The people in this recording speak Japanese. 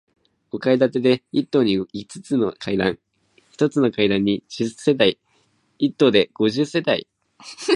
五階建てで、一棟に五つの階段、一つの階段に十世帯、一棟で五十世帯。